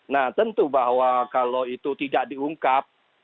nah tentu bahwa kalau itu tidak diungkap